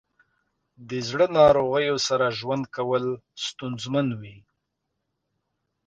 د زړه ناروغیو سره ژوند کول ستونزمن وي.